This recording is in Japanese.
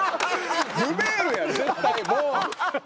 ルメールやん絶対もう！